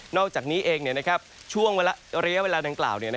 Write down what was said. อกจากนี้เองช่วงระยะเวลาดังกล่าว